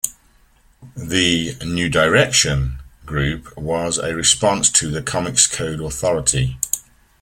The "New Direction" group was a response to the Comics Code Authority.